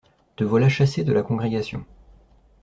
Te voilà chassé de la Congrégation.